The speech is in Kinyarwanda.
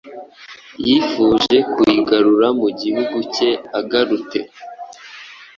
yifuje kuyigarura mu gihugu cye agarute